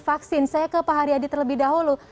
vaksin saya ke pak haryadi terlebih dahulu